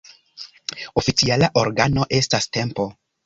Oficiala organo estas Tempo.